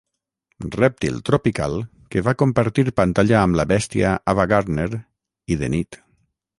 Rèptil tropical que va compartir pantalla amb la bèstia Ava Gardner, i de nit.